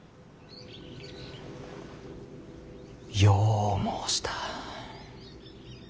よう申した。